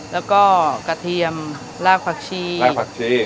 แล้วก็กระเทียมลากผักชีลากผักชี